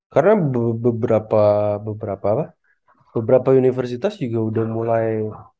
karena beberapa universitas juga udah mulai